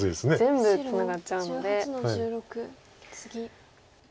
全部ツナがっちゃうので。